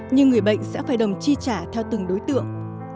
nhưng người bệnh sẽ phải đồng chi trả theo từng đối tượng